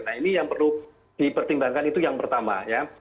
nah ini yang perlu dipertimbangkan itu yang pertama ya